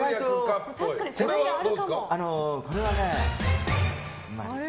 これはね、○。